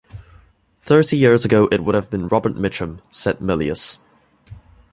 "Thirty years ago it would have been Robert Mitchum," said Milius.